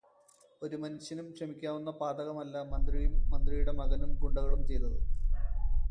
ഒരു മനുഷ്യനും ക്ഷമിക്കാവുന്ന പാതകമല്ല മന്ത്രിയും മന്ത്രിയുടെ മകനും ഗുണ്ടകളും ചെയ്തത്.